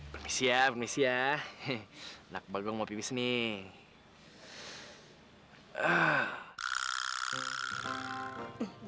permisi ya permisi ya nakbal gue mau pipis nih